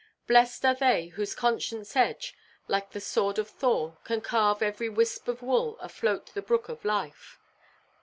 Blest are they whose conscience–edge, like the sword of Thor, can halve every wisp of wool afloat upon the brook of life.